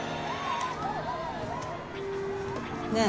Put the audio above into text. ねえ。